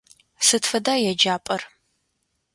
Сыд фэда еджапӏэр?